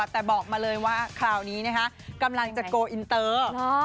แต่บอกมาเลยว่าคราวนี้กำลังจะโกลอินเตอร์